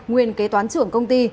nguyên kế toán trưởng công ty